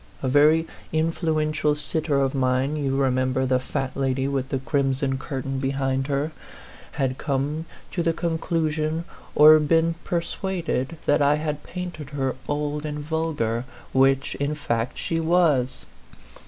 A very influential sitter of mine you remember the fat lady with the crimson cur tain behind her ? had come to the conclu 10 A PHANTOM LOVER. sion or been persuaded that I had painted her old and vulgar, which, in fact, she was.